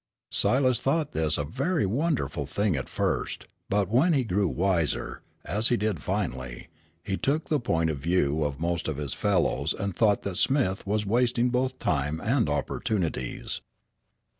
Silas thought this a very wonderful thing at first, but when he grew wiser, as he did finally, he took the point of view of most of his fellows and thought that Smith was wasting both time and opportunities.